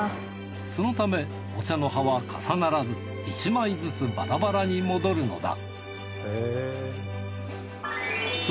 そのためお茶の葉は重ならず１枚ずつバラバラに戻るのだ